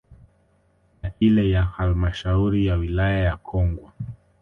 Na ile ya halmasahauri ya wilaya ya Kongwa